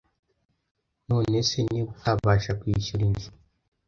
None se niba utabasha kwishyura inzu